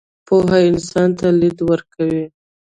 پوهه انسان ته لید ورکوي.